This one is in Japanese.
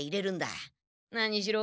何しろ